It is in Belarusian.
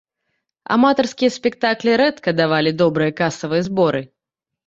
Аматарскія спектаклі рэдка давалі добрыя касавыя зборы.